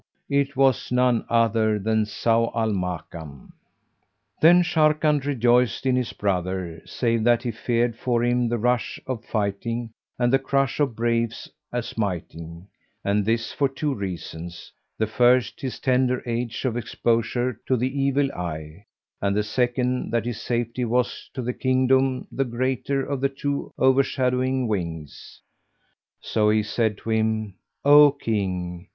it was none other than Zau al Makan. Then Sharrkan rejoiced in his brother, save that he feared for him the rush of fighting and the crush of braves a smiting; and this for two reasons, the first, his tender age and exposure to the evil eye, and the second, that his safety was to the kingdom the greater of the two overshadowing wings. So he said to him, "O King!